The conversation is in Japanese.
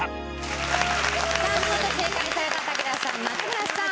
さあ見事正解された武田さん松村さん